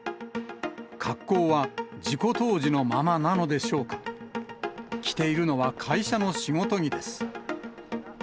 格好は事故当時のままなのでしょ着ているのは会社の仕事着です。